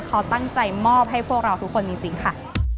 เขาตั้งใจมอบให้พวกเราทุกคนจริงค่ะ